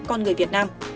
con người việt nam